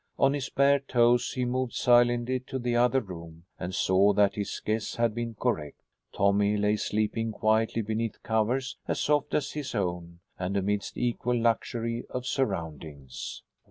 On his bare toes, he moved silently to the other room and saw that his guess had been correct. Tommy lay sleeping quietly beneath covers as soft as his own and amidst equal luxury of surroundings.